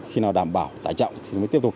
khi nào đảm bảo tải trọng thì mới tiếp tục